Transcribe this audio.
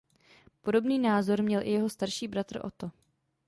Podobný názor měl i jeho starší bratr Otto.